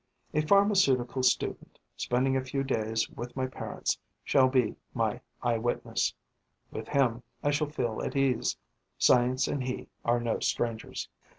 A pharmaceutical student, spending a few days with my parents, shall be my eyewitness. With him, I shall feel at ease; science and he are no strangers.